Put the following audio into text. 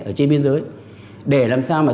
ở trên biên giới để làm sao mà